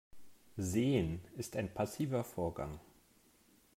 Sehen ist ein passiver Vorgang.